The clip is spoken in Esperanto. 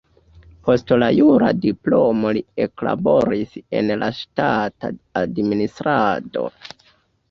Post la jura diplomo li eklaboris en la ŝtata administrado.